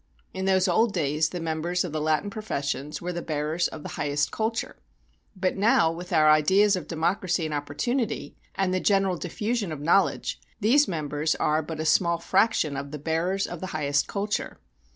In those old days the members of the Latin professions were the bearers of the highest culture; but now with our ideas of democracy and opportunity, and the general diffusion of knowledge, these members are but a small fraction of the bearers of the highest culture.